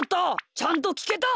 ちゃんときけた？